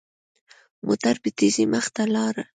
موټر په تېزۍ مخ ته لاړ.